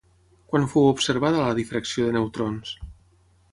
Quan fou observada la difracció de neutrons?